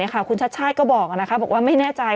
คุณชัชชาติก็บอกว่าไม่แน่ใจ